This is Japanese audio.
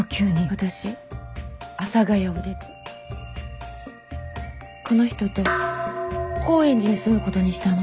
私阿佐ヶ谷を出てこの人と高円寺に住むことにしたの。